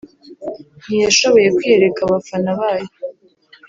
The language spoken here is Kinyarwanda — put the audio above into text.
ntiyashoboye kwiyereka abafana bayo